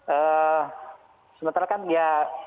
eh sementara kan ya